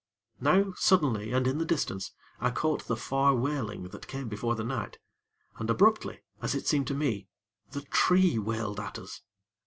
Now, suddenly, and in the distance, I caught the far wailing that came before the night, and abruptly, as it seemed to me, the tree wailed at us.